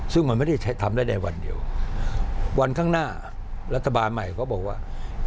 ซึ่งมันไม่ได้ใช้ทำได้ใดวันเดียววันข้างหน้ารัฐบาลใหม่เขาบอกว่า